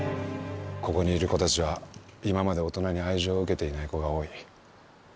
ここにいる子たちは今まで大人に愛情を受けていない子が多い。